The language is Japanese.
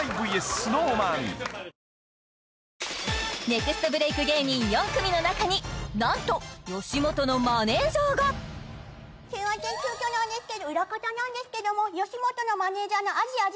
ネクストブレイク芸人４組の中になんと吉本のマネージャーがすいません急きょなんですけど裏方なんですけども吉本のマネージャーの味